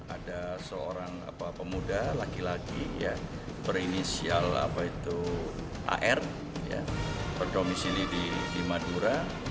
ada seorang pemuda laki laki berinisial ar berdomisili di madura